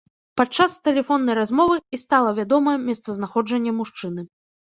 Падчас тэлефоннай размовы і стала вядомае месцазнаходжанне мужчыны.